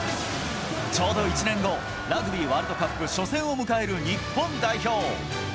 ちょうど１年後、ラグビーワールドカップ初戦を迎える日本代表。